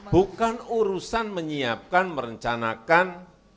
bukan urusan menyiapkan merencanakan